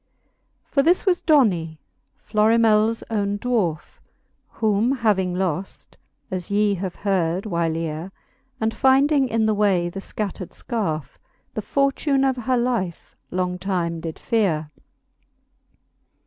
For this was Dony, Florimels owne dwarfe, Whom having loft (as ye have heard whyleare^ And finding in the way the /cattred fcarfe, The fortune of her life long time did feare.